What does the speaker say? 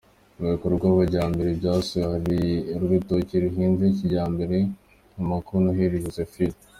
Mu bikorwa by’amajyambere byasuwe hari urutoki ruhinze kijyambere rwa Mukanoheli Josephine.